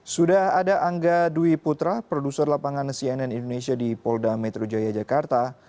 sudah ada angga dwi putra produser lapangan cnn indonesia di polda metro jaya jakarta